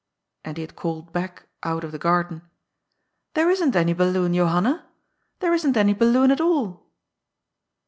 " and he had called back out of the gar den, "There isn't any balloon, Johanna — there isn't any balloon at all."